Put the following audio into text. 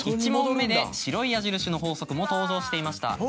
１問目で白い矢印の法則も登場していました。